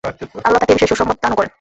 আল্লাহ তাকে এ বিষয়ে সুসংবাদ দানও করেন।